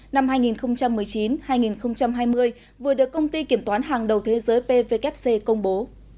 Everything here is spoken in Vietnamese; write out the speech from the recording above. năm hai nghìn một mươi chín hai nghìn hai mươi vừa được công ty kiểm toán hàng đầu thế giới pvwc công bố